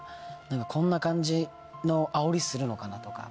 こんな感じのあおりするのかなとか。